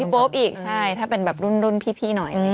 โป๊ปอีกใช่ถ้าเป็นแบบรุ่นพี่หน่อย